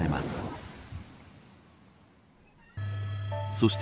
そして。